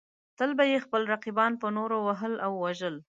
تل به یې خپل رقیبان په نورو وهل او وژل.